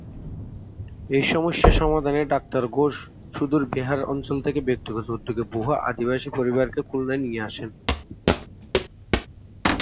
এই সমস্যার সমাধানে ডাক্তার ঘোষ সুদূর বিহার অঞ্চল থেকে ব্যক্তিগত উদ্যোগে বহু আদিবাসী পরিবারকে খুলনায় নিয়ে আসেন।